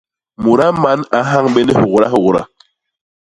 Mudaa man a nhañ bé ni hôgdahôgda.